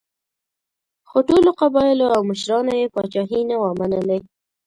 خو ټولو قبایلو او مشرانو یې پاچاهي نه وه منلې.